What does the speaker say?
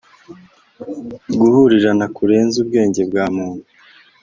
uguhurirana kurenze ubwenge bwa muntu